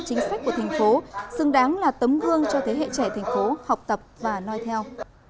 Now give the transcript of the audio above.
chính sách của thành phố xứng đáng là tấm gương cho thế hệ trẻ thành phố học tập và nói theo